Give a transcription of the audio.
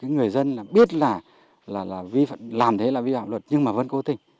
người dân biết là làm thế là vi phạm luật nhưng mà vẫn cố tình